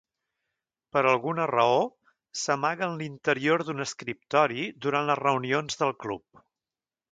Por alguna raó s'amaga en l'interior d'un escriptori durant les reunions del club.